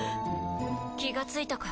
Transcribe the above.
気がついたか？